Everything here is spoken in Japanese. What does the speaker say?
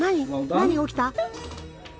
何が起きた？